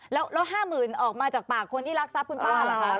แล้ว๕๐๐๐ออกมาจากปากคนที่รักทรัพย์คุณป้าล่ะคะ